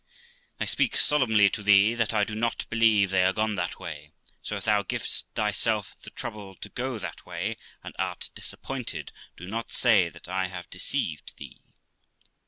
I speak solemnly to thee that I do not believe they are gone that way; so if thou givest thyself the trouble to go that way, and art disappointed, do not say that I have deceived thee.'